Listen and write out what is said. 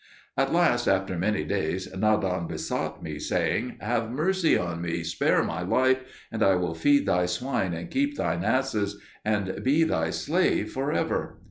At last, after many days, Nadan besought me, saying, "Have mercy on me, spare my life, and I will feed thy swine and keep thine asses, and be thy slave for ever."